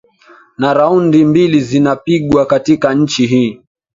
na raundi mbili zinapigwa katika nchi hii